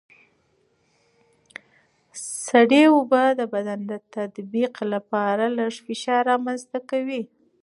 سړه اوبه د بدن د تطبیق لپاره لږ فشار رامنځته کوي.